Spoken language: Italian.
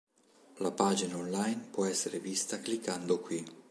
La pagina online può essere vista cliccando qui.